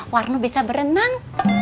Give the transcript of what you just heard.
warno bisa berenang